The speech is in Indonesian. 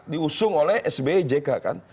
dua ribu empat diusung oleh sbi jk